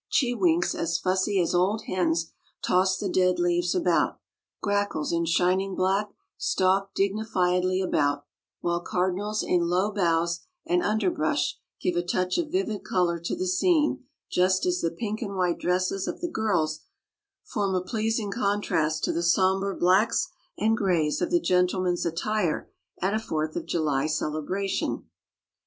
Cheewinks as fussy as old hens toss the dead leaves about; grackles in shining black stalk dignifiedly about; while cardinals in low boughs and underbrush give a touch of vivid color to the scene just as the pink and white dresses of the girls form a pleasing contrast to the somber blacks and grays of the gentlemen's attire at a Fourth of July celebration.